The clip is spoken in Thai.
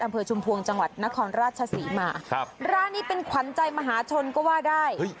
ชุมพวงจังหวัดนครราชศรีมาครับร้านนี้เป็นขวัญใจมหาชนก็ว่าได้